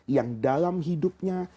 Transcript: yang dalam hidupnya